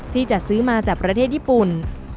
จัดซื้อมาจากประเทศญี่ปุ่น